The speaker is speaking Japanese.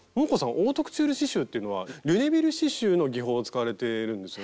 オートクチュール刺しゅうというのはリュネビル刺しゅうの技法を使われているんですよね。